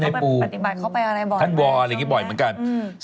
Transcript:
ใช่น้องปูค่ะเขาไปปฏิบัติเข้าไปอะไรบ่อยช่องแม่งอืม